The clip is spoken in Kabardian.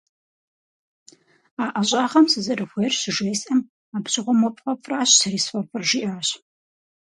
А ӀэщӀагъэм сызэрыхуейр щыжесӀэм, «абы щыгъуэм уэ пфӀэфӀращ сэри сфӀэфӀыр» жиӀащ.